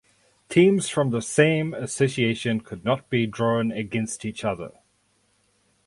Teams from the same association could not be drawn against each other.